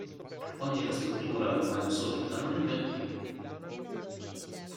Oggi la struttura, ormai obsoleta, non è più attiva.